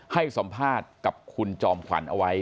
ให้สัมภาษณ์กับคุณจอมขวัญเอาไว้